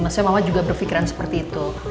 maksudnya mama juga berpikiran seperti itu